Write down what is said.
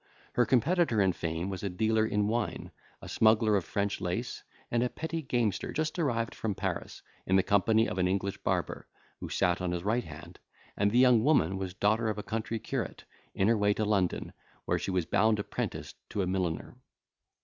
Her competitor in fame was a dealer in wine, a smuggler of French lace, and a petty gamester just arrived from Paris, in the company of an English barber, who sat on his right hand, and the young woman was daughter of a country curate, in her way to London, where she was bound apprentice to a milliner.